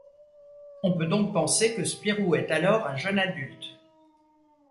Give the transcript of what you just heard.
On peut donc penser que Spirou est alors un jeune adulte.